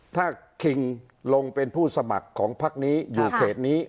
ถ้าคิงลงเป็นผู้สมัครของพักนี้อยู่เขตนี้